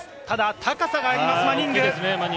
高さがあります、マニング。